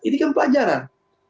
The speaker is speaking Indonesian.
ini kan pelajaran